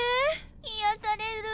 癒やされる！